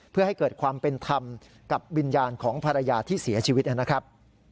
เพื่อให้เกิดความเป็นธรรมกับวิญญาณของภรรยาที่เสียชีวิตนะครับ